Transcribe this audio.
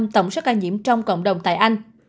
tổng số ca nhiễm trong cộng đồng tại anh